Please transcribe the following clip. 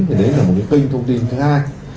thì đấy là một cái kênh thông tin thứ hai